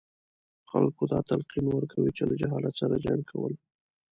خلکو ته دا تلقین ورکوي چې له جهالت سره جنګ کول.